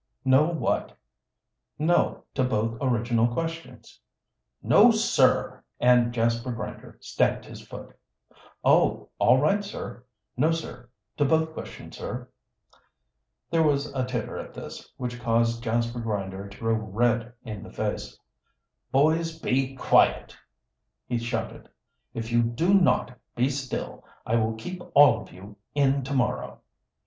"No, what?" "No, to both original questions." "No, sir!" and Jasper Grinder stamped his foot. "Oh! All right, sir. No, sir, to both questions, sir." There was a titter at this, which caused Jasper Grinder to grow red in the face. "Boys, be quiet!" he shouted. "If you do not be still I will keep all of you in to morrow."